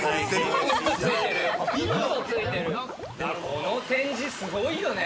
この展示すごいよね。